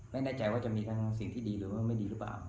ไม่แน่ใจว่าจะมีทั้งสิ่งที่ดีหรือว่าไม่ดีหรือเปล่า